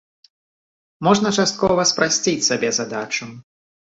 Можна часткова спрасціць сабе задачу.